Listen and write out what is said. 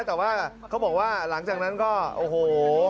แต่ว่าเขาบอกว่าหลังจากนั้นก็โอ้โห